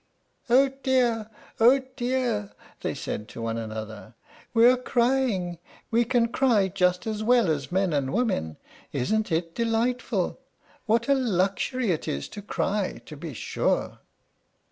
"Oh dear! oh dear!" they said to one another, "we're crying; we can cry just as well as men and women. Isn't it delightful? What a luxury it is to cry, to be sure!"